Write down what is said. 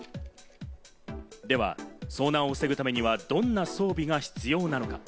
では遭難を防ぐためにはどんな装備が必要なのか？